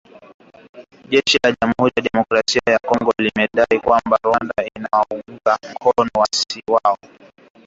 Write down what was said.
Jeshi la jamhuri ya kidemokrasia ya Kongo limedai kwamba Rwanda inawaunga mkono waasi hao